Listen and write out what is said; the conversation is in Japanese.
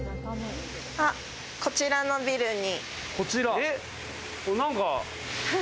こちらのビルに。